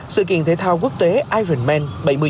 sự kiện thể thao quốc tế ironman bảy mươi ba